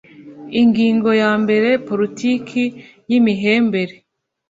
ingingo ya mbere politiki y imihembere